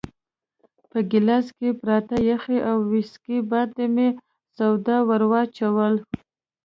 په ګیلاس کې پراته یخي او ویسکي باندې مې سوډا ورو وراچول.